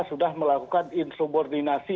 sudah melakukan insubordinasi